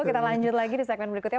kita lanjut lagi di segmen berikutnya